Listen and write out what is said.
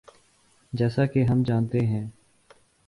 جیسا کہ ہم جانتے ہیں۔